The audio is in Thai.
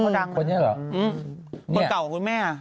คนเก่าของคุณแม่